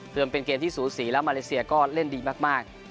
มันเป็นเกมที่สูสีแล้วมาเลเซียก็เล่นดีมาก